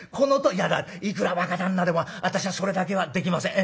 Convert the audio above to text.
「いやいくら若旦那でも私はそれだけはできません。